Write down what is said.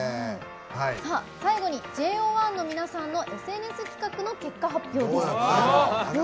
最後にＪＯ１の皆さんのＳＮＳ企画の結果発表です。